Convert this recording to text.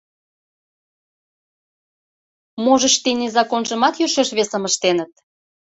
Можыч, тений законжымат йӧршеш весым ыштеныт?